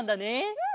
うん！